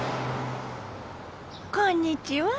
こんにちは。